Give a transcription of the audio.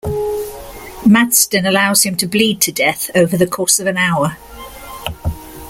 Maddstone allows him to bleed to death over the course of an hour.